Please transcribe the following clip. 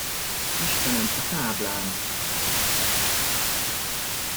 Istenem, a táblám!